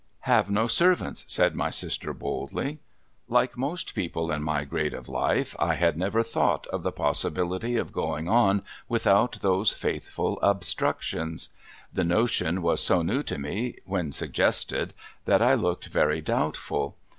' Have no servants,' said my sister, boldlv. Like most people in my grade of life, I had never thought of the possibility of going on without those faithful obstructions. The notion was so new to me when suggested, that I looked very doubtful.